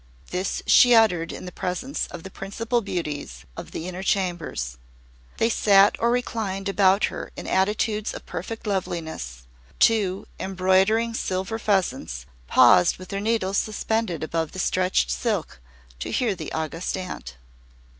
This she uttered in the presence of the principal beauties of the Inner Chambers. They sat or reclined about her in attitudes of perfect loveliness. Two, embroidering silver pheasants, paused with their needles suspended above the stretched silk, to hear the August Aunt.